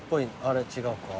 あれ違うか。